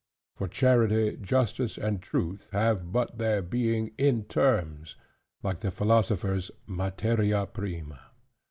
For Charity, Justice, and Truth have but their being in terms, like the philosopher's Materia prima.